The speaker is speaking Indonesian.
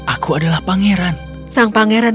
aku adalah pangeran sang pangeran